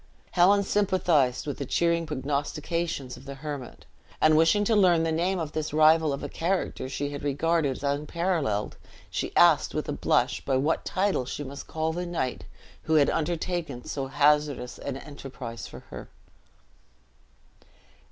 Helen sympathized with the cheering prognostications of the hermit; and wishing to learn the name of this rival of a character she had regarded as unparalleled, she asked, with a blush, by what title she must call the knight who had undertaken so hazardous an enterprise for her.